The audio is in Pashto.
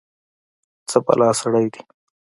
خو بلا سړى دى.